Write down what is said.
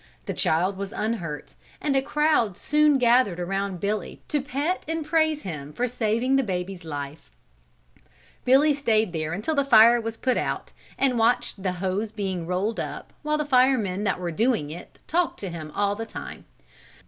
The child was unhurt, and a crowd soon gathered around Billy to pet and praise him for saving the baby's life. Billy stayed there until the fire was put out and watched the hose being rolled up, while the firemen that were doing it talked to him all the time.